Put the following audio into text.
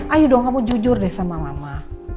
ayo dong kamu jujur deh sama mama